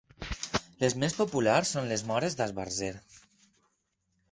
Les més populars són les móres d'esbarzer.